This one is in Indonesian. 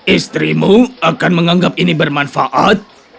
istrimu akan menganggap ini bermanfaat